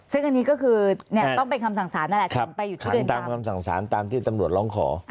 ซึ่งอันนี้ก็คือต้องเป็นคำสั่งสารนั่นแหละถึงไปอยู่ที่เดิมตามคำสั่งสารตามที่ตำรวจร้องขอ